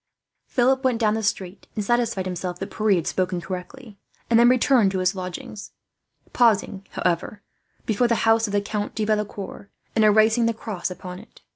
Philip went down the street, and satisfied himself that Pierre had spoken correctly; and then returned to his lodgings, pausing, however, before the house of the Count de Valecourt, and erasing the cross upon it.